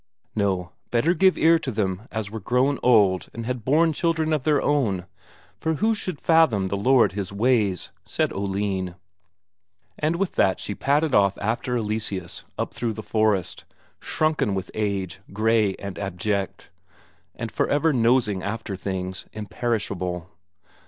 No, better give ear to them as were grown old and had borne children of their own, for who should fathom the Lord His ways, said Oline. And with that she padded off after Eleseus up through the forest, shrunken with age, grey and abject, and for ever nosing after things, imperishable.